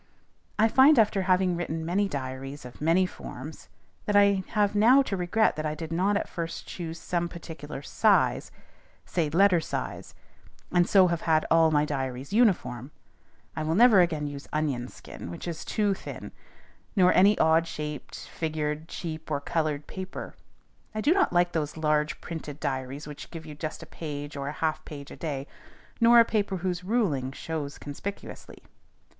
I find after having written many diaries of many forms, that I have now to regret I did not at first choose some particular size, say "letter size," and so have had all my diaries uniform. I will never again use "onion skin," which is too thin, nor any odd shaped, figured, cheap, or colored paper. I do not like those large printed diaries which give you just a page or half page a day, nor a paper whose ruling shows conspicuously.